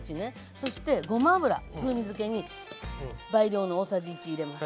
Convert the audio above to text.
そしてごま油風味づけに倍量の大さじ１入れます。